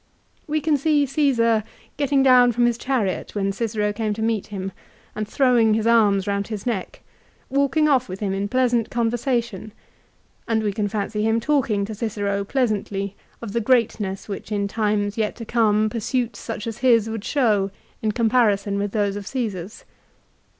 We can see Caesar getting down from his chariot when Cicero came to meet him, and throwing his arms round his neck, walking off with him in pleasant conversation ; and we can fancy him talking to Cicero pleasantly of the greatness which in times yet to come pursuits such as his would show in comparison with those of Caesar's.